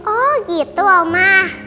oh gitu oma